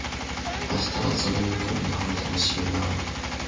明日は遊びに行くので晴れて欲しいなあ